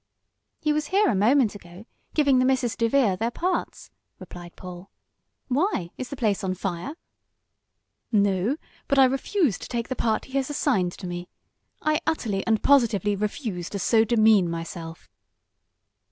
"He was here a moment ago, giving the Misses DeVere their parts," replied Paul. "Why, is the place on fire?" "No, but I refuse to take the part he has assigned to me. I utterly and positively refuse to so demean myself."